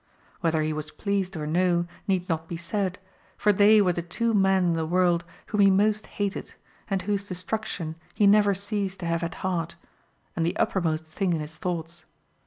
Whether he was pleased or no need not be said, for they were the two men in the world whom he most hated, and whose destruction he never ceased to have at heart, and the uppermost thing in his thoughts.